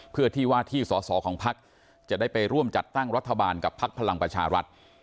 เพื่อที่ว่าที่สอสอของภักดิ์จะได้ไปร่วมจัดตั้งรัฐบาลกับพักพลังประชารัฐ